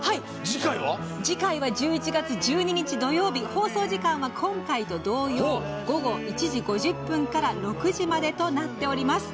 次回は１１月１２日土曜日、放送時間は今回と同様午後１時５０分から６時までとなっております。